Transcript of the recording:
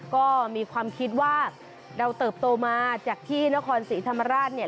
ก็มีความคิดว่าเราเติบโตมาจากที่นครศรีธรรมราชเนี่ย